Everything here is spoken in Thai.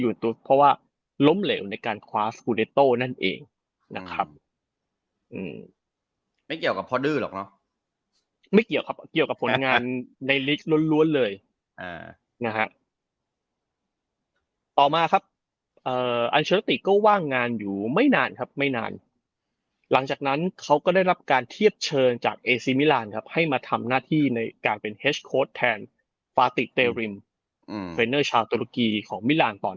อยู่ตรงตรงตรงตรงตรงตรงตรงตรงตรงตรงตรงตรงตรงตรงตรงตรงตรงตรงตรงตรงตรงตรงตรงตรงตรงตรงตรงตรงตรงตรงตรงตรงตรงตรงตรงตรงตรงตรงตรงตรงตรงตรงตรงตรงตรงตรงตรงตรงตรงตรงตรงตรงตรงตรงตร